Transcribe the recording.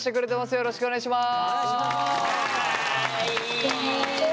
よろしくお願いします。